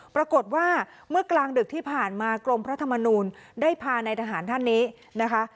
ปรากฏว่าเมื่อกลางดึกที่ผ่านมากรมพระธรรมนูลได้พาในทหารท่านนี้นะคะ